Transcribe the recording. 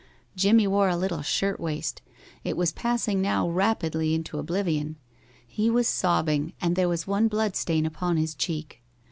Jimmie wore a little shirt waist. It was passing now rapidly into oblivion. He was sobbing, and there was one blood stain upon his cheek.